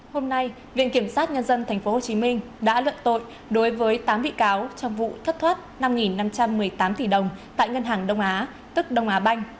hôm nay viện kiểm soát nhân dân tp hcm đã luận tội đối với tám bị cáo trong vụ thất thoát năm năm trăm một mươi tám tỷ đồng tại ngân hàng đông á